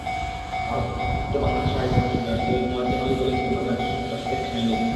ভারতে নিযুক্ত বাংলাদেশের হাইকমিশনার সৈয়দ মোয়াজ্জেম আলী বলেছেন, বাংলাদেশে সন্ত্রাসীদের ঠাঁই নেই।